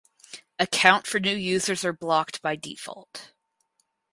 Account for new users are blocked by default.